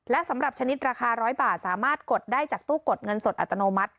และสำหรับชนิดราคา๑๐๐บาทสามารถกดได้จากตู้กดเงินสดอัตโนมัติ